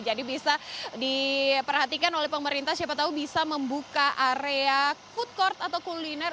jadi bisa diperhatikan oleh pemerintah siapa tahu bisa membuka area food court atau kuliner